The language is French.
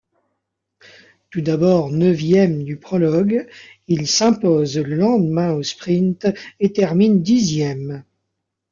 Tout d'abord neuvième du prologue, il s'impose le lendemain au sprint et termine dixième.